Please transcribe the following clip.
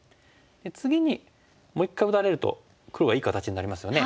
次にもう一回打たれると黒がいい形になりますよね。